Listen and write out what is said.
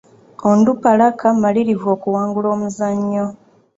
Onduparaka malirivu okuwangula omuzannyo.